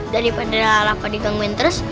daripada rafa digangguin terus